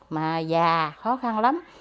mà già khó khăn lắm